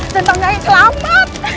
centangnya yang selamat